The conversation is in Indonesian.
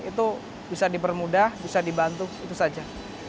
itu bisa dipermudah bisa dibantu itu saja